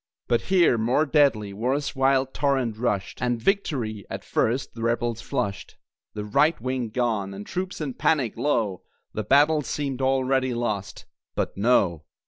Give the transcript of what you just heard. But here, more deadly, war's wild torrent rushed, And victory, at first, the Rebels flushed. The "right wing" gone, and troops in panic, lo! The battle seemed already lost. But, No.